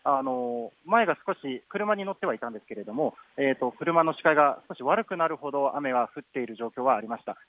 前まで車に乗っていたんですけど車の視界が悪くなるほど雨が降っている状況はありました。